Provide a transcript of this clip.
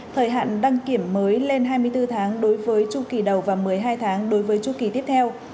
thời hạn đăng kiểm mới lên hai mươi bốn tháng đối với chu kỳ đầu và một mươi hai tháng đối với chu kỳ tiếp theo